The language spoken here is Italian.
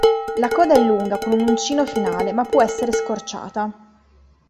La coda è lunga con uncino finale ma può essere scorciata.